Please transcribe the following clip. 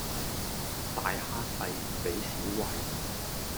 大蝦細俾屎餵